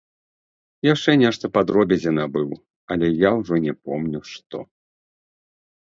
Яшчэ нешта па дробязі набыў, але я ўжо не помню што.